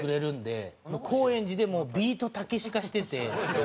高円寺でもうビートたけし化してて。